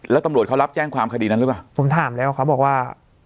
แล้วตำรวจเขารับแจ้งความคดีนั้นหรือเปล่าผมถามแล้วเขาบอกว่า